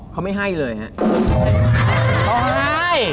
เขาไม่ให้เลยฮะ